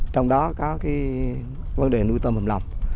trong đó có vấn đề nuôi tôm hầm lòng